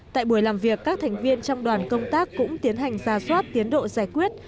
tại buổi làm việc các thành viên trong đoàn công tác cũng tiến hành ra soát tiến độ giải quyết